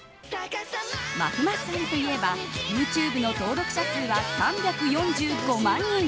まふまふさんといえばＹｏｕＴｕｂｅの登録者数は３４５万人。